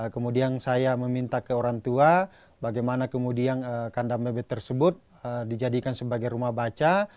kemudian saya meminta ke orang tua bagaimana kemudian kandang bebek tersebut dijadikan sebagai rumah baca